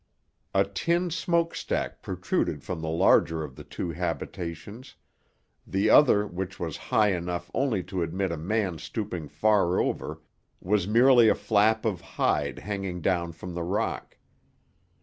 A tin smoke stack protruded from the larger of the two habitations; the other, which was high enough only to admit a man stooping far over, was merely a flap of hide hanging down from the rock.